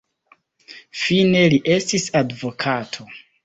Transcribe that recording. Fine li estis advokato.